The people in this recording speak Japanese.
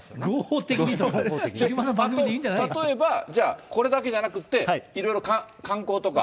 例えば、じゃあ、これだけじゃなくて、いろいろ観光とか。